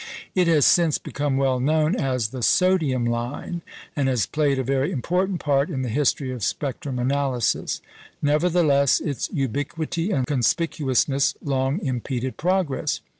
It has since become well known as the "sodium line," and has played a very important part in the history of spectrum analysis. Nevertheless, its ubiquity and conspicuousness long impeded progress.